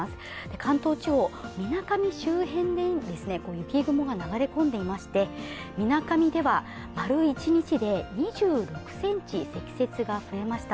関東地方、みなかみ周辺に雪雲が流れ込んでいまして、みなかみでは、丸一日で２６ｃｍ積雪が増えました。